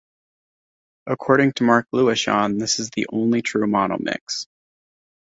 According to Mark Lewishon, this is the only true mono mix.